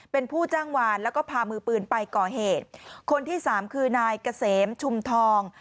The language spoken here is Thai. เป็นผู้จ้างวานแล้วก็พามือปืนไปก่อเหตุคนที่สามคือนายเกษมชุมทอง